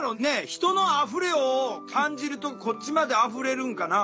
人の「あふれ」を感じるとこっちまであふれるんかな？